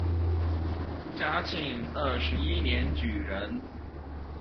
嘉庆二十一年举人。